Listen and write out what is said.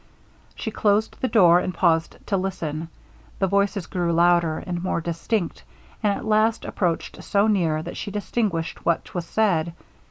She closed the door, and paused to listen. The voices grew louder, and more distinct, and at last approached so near, that she distinguished what was said.